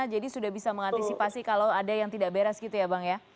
sudah bisa mengantisipasi kalau ada yang tidak beres gitu ya bang ya